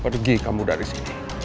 pergi kamu dari sini